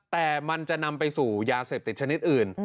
แต่มันจะนำไปสู่ยาเสพติดชนิดอื่น